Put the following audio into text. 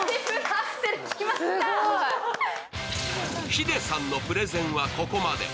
ヒデさんのプレゼンはここまで。